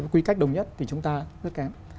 quy cách đồng nhất thì chúng ta rất kém